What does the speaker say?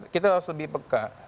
kita harus lebih peka